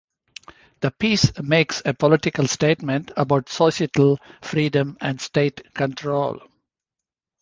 The piece "makes a political statement about societal freedom and state control".